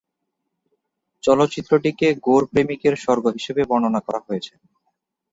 চলচ্চিত্রটিকে "গোর-প্রেমিকের স্বর্গ" হিসাবে বর্ণনা করা হয়েছে।